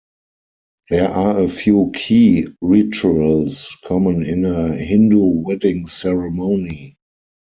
There are a few key rituals common in a Hindu wedding ceremony.